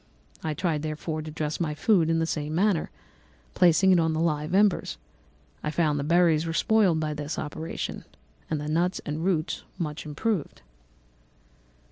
I tried, therefore, to dress my food in the same manner, placing it on the live embers. I found that the berries were spoiled by this operation, and the nuts and roots much improved.